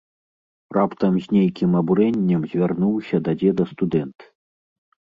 Раптам з нейкім абурэннем звярнуўся да дзеда студэнт.